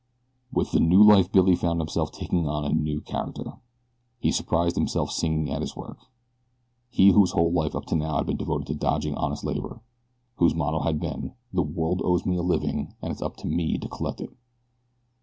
With the new life Billy found himself taking on a new character. He surprised himself singing at his work he whose whole life up to now had been devoted to dodging honest labor whose motto had been: The world owes me a living, and it's up to me to collect it.